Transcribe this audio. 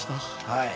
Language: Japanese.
はい。